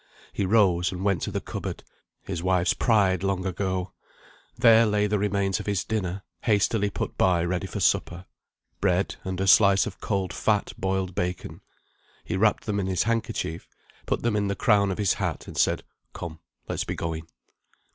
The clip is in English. He rose, and went to the cupboard (his wife's pride long ago). There lay the remains of his dinner, hastily put by ready for supper. Bread, and a slice of cold fat boiled bacon. He wrapped them in his handkerchief, put them in the crown of his hat, and said "Come, let's be going."